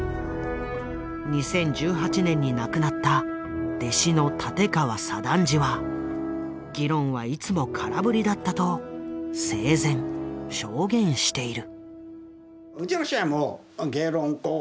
２０１８年に亡くなった弟子の立川左談次は議論はいつも空振りだったと生前証言している。